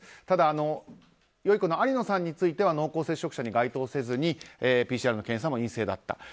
ただ、よゐこの有野さんについては濃厚接触者に該当せずにＰＣＲの検査も陰性だった。